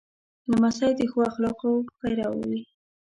لمسی د ښو اخلاقو پیرو وي.